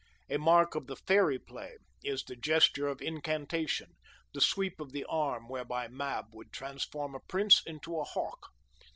A mark of the Fairy Play is the gesture of incantation, the sweep of the arm whereby Mab would transform a prince into a hawk.